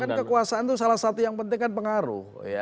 kan kekuasaan itu salah satu yang penting kan pengaruh